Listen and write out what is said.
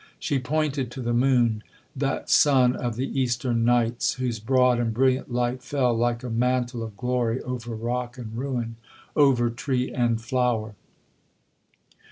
She pointed to the moon, that sun of the eastern nights, whose broad and brilliant light fell like a mantle of glory over rock and ruin, over tree and flower.